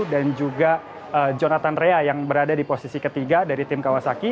dan juga jonathan rea yang berada di posisi ketiga dari tim kawasaki